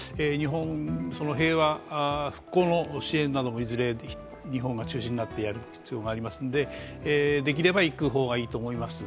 平和復興の支援などもいずれ日本が中心になってやる必要があると思いますんでできれば行く方がいいと思います。